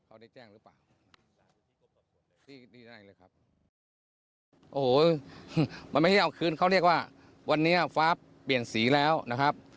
โอ้โหมันไม่ได้เอาคืนเขาเรียกว่าวันนี้ฟ้าเปลี่ยนสีแล้วนะครับ